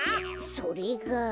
それが。